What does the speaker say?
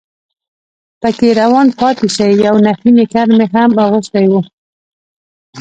پکې روان پاتې شي، یو نخی نیکر مې هم اغوستی و.